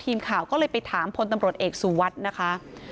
ทีมข่าวก็เลยไปถามพลตำรวจเอกสุวัสดิ์นะคะ